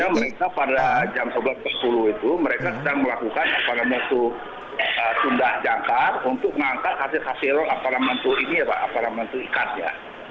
mereka pada jam sebelas empat puluh itu mereka sedang melakukan apalagi itu tunda jangkar untuk mengangkat hasil hasil apalagi itu ini ya pak apalagi itu ikatnya